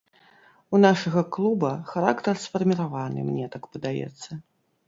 У нашага клуба характар сфарміраваны, мне так падаецца.